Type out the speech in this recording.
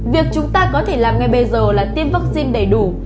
việc chúng ta có thể làm ngay bây giờ là tiêm vaccine đầy đủ